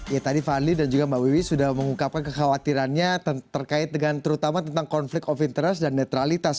ya tadi fadli dan juga mbak wiwi sudah mengungkapkan kekhawatirannya terkait dengan terutama tentang konflik of interest dan netralitas